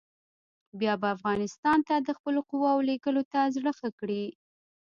بیا به افغانستان ته د خپلو قواوو لېږلو ته زړه ښه کړي.